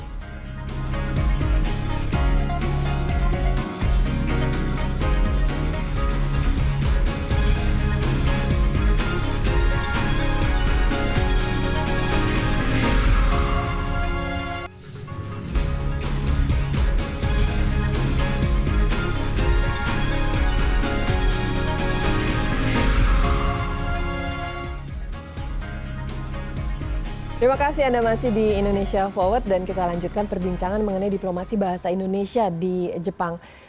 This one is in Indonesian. terima kasih anda masih di indonesia forward dan kita lanjutkan perbincangan mengenai diplomasi bahasa indonesia di jepang